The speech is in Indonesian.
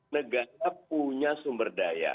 negara punya sumber daya